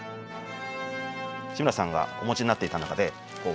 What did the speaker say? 志村さんがお持ちになっていた中で和傘があります。